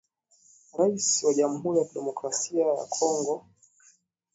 Raisi wa jamhuri ya kidemokrasia ya Kongo